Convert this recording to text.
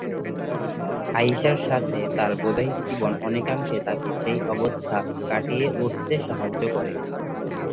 আয়িশার সাথে তার বৈবাহিক জীবন অনেকাংশে তাকে সেই অবস্থা কাটিয়ে উঠতে সাহায্য করে।